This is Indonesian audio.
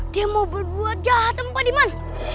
dia mau berbuat jahat sama pak diman